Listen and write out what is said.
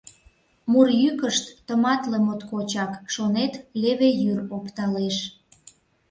Мур йӱкышт тыматле моткочак, шонет, леве йӱр опталеш.